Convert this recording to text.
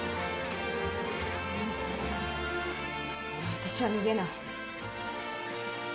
私は逃げない。